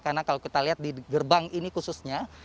karena kalau kita lihat di gerbang ini khususnya